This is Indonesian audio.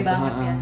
gede banget ya